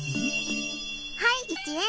はい１円。